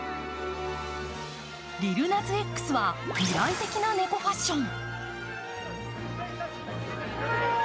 リル・ナズ・Ｘは未来的な猫ファッション。